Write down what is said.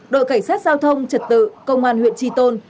đội cảnh sát giao thông trật tự công an huyện tri tôn